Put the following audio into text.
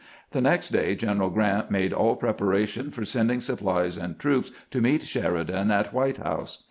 The next day General Grant made all preparation for sending supplies and troops to meet Sheridan at White House.